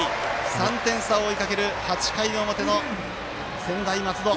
３点差を追いかける８回の表の専大松戸。